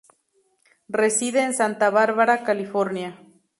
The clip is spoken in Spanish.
Reside en Santa Barbara, California.